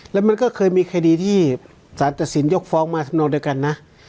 แล้วมันก็เคยมีคดีที่สารตัดสินยกฟ้องมาสำนวนด้วยกันนะ